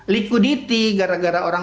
liquidity gara gara orang